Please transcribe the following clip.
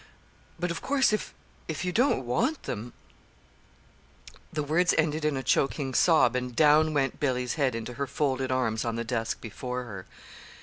But, of course, if you don't want them " The words ended in a choking sob, and down went Billy's head into her folded arms on the desk before her.